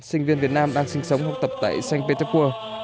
sinh viên việt nam đang sinh sống học tập tại sanh petersburg